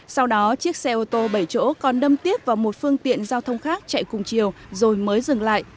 sau đó chiếc xe ô tô bảy chỗ còn đâm tiếc vào một phương tiện giao thông khác chạy cùng chiều rồi mới dừng lại